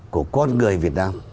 của con người việt nam